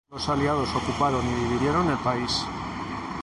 Los aliados ocuparon y dividieron el país.